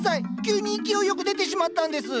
急に勢いよく出てしまったんです。